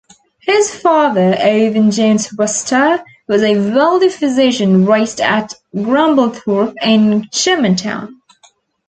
His father, Owen Jones Wister, was a wealthy physician raised at Grumblethorpe in Germantown.